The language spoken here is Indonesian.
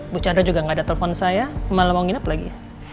bu chandra juga nggak ada telepon saya malah mau nginep lagi